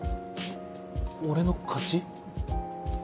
俺の勝ち？